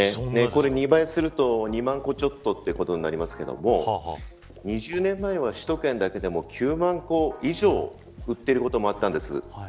これ２倍すると２万戸ちょっとということになりますけども２０年前は首都圏だけでも９万戸以上売っていることもあったんです。